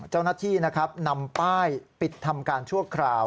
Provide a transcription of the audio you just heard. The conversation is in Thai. เจ้านาทีนำป้ายปิดทำการชั่วคราว